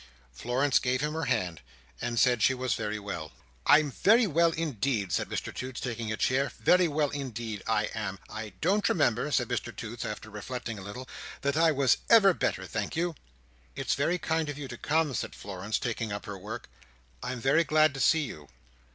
Florence gave him her hand, and said she was very well. "I'm very well indeed," said Mr Toots, taking a chair. "Very well indeed, I am. I don't remember," said Mr Toots, after reflecting a little, "that I was ever better, thank you." "It's very kind of you to come," said Florence, taking up her work, "I am very glad to see you."